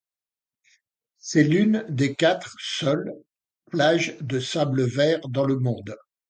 C'est l'une des quatre seules plages de sable vert dans le monde.